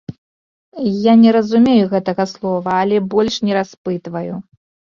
Я не разумею гэтага слова, але больш не распытваю.